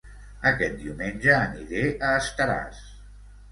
Aquest diumenge aniré a Estaràs